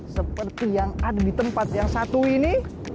seperti yang ada di tempat yang satu ini